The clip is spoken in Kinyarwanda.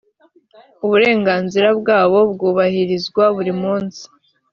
uburenganzira bwabo bwubahirizwa buri munsi